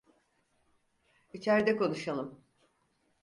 İçeride konuşalım.